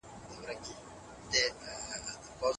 تاريخ راښيي چي د زور واکمني پايداره نه وي.